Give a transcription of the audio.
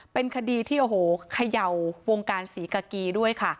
เป็นคดีที่โอ้โหเขย่าวงการศรีกากีด้วยค่ะ